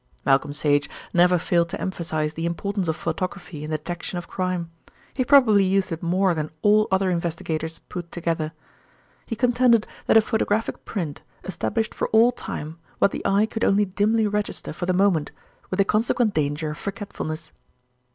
Malcolm Sage never failed to emphasise the importance of photography in the detection of crime. He probably used it more than all other investigators put together. He contended that a photographic print established for all time what the eye could only dimly register for the moment, with the consequent danger of forgetfulness.